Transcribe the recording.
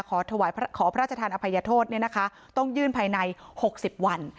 ขอพระราชทานอภัยโทษต้องยื่นภายใน๖๐วัน